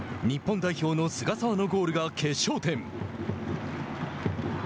日本代表の菅澤のゴールが決勝点。